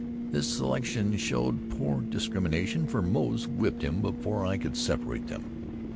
His selection showed poor discrimination, for Moze whipped him before I could separate them.